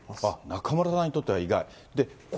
中村さんにとっては意外？